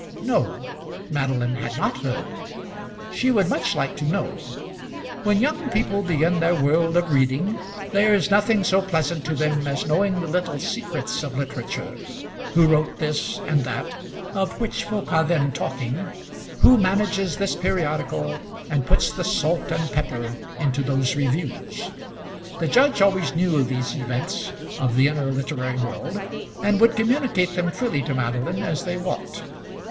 No; Madeline had not heard. She would much like to know. When young people begin their world of reading there is nothing so pleasant to them as knowing the little secrets of literature; who wrote this and that, of which folk are then talking; who manages this periodical, and puts the salt and pepper into those reviews. The judge always knew these events of the inner literary world, and would communicate them freely to Madeline as they walked.